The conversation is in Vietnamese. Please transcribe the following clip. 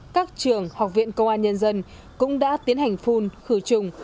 các trường học viện công an nhân dân cũng đã tiến hành phun khử trùng